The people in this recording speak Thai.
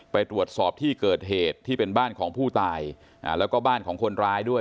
ไปตรวจสอบที่เกิดเหตุที่เป็นบ้านของผู้ตายแล้วก็บ้านของคนร้ายด้วย